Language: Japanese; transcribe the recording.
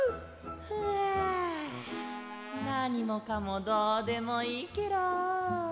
ふぁなにもかもどうでもいいケロ。